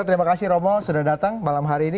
terima kasih romo sudah datang malam hari ini